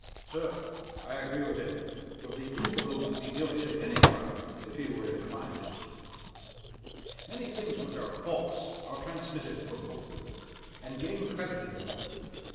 'Sir, I agree with him; for the infidel would be guilty of any crime if he were inclined to it.' 'Many things which are false are transmitted from book to book, and gain credit in the world.